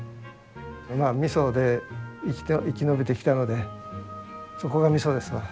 まあ味噌で生き延びてきたのでそこがミソですわ。